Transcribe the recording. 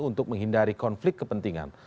untuk menghindari konflik kepentingan